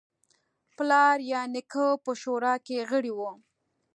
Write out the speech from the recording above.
پلار یا نیکه په شورا کې غړی و.